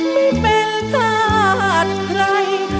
ไม่เป็นกาดใคร